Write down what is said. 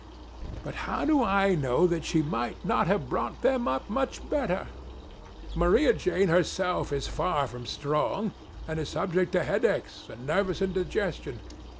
But, how do 1 know that she might not have brought them up, much better 1 Maria Jane herself, is far from strong, and is subject to headaches, and nervous indigestion.